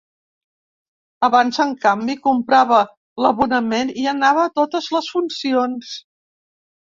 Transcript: Abans, en canvi, comprava l'abonament i anava a totes les funcions.